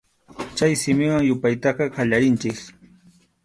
Chay simiwan yupaytaqa qallarinchik.